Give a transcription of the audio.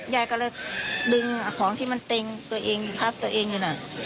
ยายก็เลยดึงของที่มันเต็งตัวเองพับตัวเองอยู่น่ะ